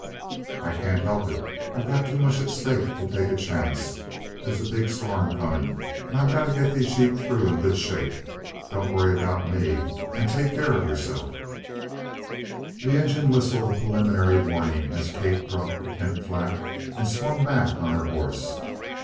"I can't help it. I've too much at stake to take a chance. There's a big storm coming and I've got to get these sheep through in good shape. Don't worry about me and take care of yourself." The engine whistled a preliminary warning as Kate dropped the tent flap and swung back on her horse.